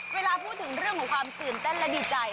เวลาพูดถึงเรื่องของความตื่นเต้นและดีใจ